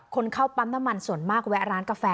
เข้าปั๊มน้ำมันส่วนมากแวะร้านกาแฟ